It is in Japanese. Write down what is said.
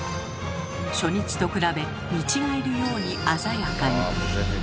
初日と比べ見違えるように鮮やかに。